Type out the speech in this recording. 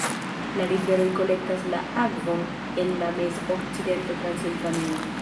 La riveroj kolektas la akvon el la Mez-Okcidenta Transilvanio.